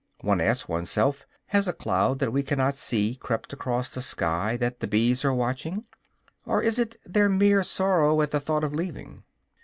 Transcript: One asks oneself, has a cloud that we cannot see crept across the sky that the bees are watching; or is it their mere sorrow at the thought of leaving?